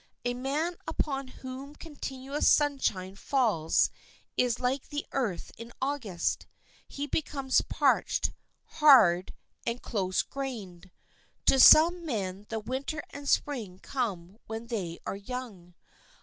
A man upon whom continuous sunshine falls is like the earth in August—he becomes parched, hard, and close grained. To some men the Winter and Spring come when they are young.